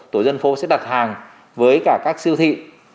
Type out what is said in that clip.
tổ dân phố sẽ đặt hàng với cả các siêu thị